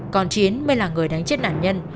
còn chiến mới là người đánh chết nạn nhân